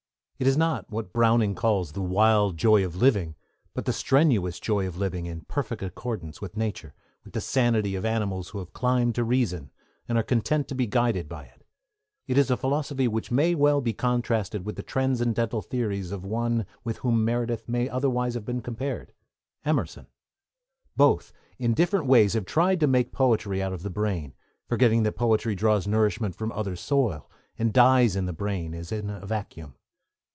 It is not what Browning calls 'the wild joy of living,' but the strenuous joy of living in perfect accordance with nature, with the sanity of animals who have climbed to reason, and are content to be guided by it. It is a philosophy which may well be contrasted with the transcendental theories of one with whom Meredith may otherwise be compared, Emerson. Both, in different ways, have tried to make poetry out of the brain, forgetting that poetry draws nourishment from other soil, and dies in the brain as in a vacuum.